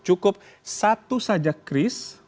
cukup satu saja cris